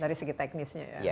dari segi teknisnya ya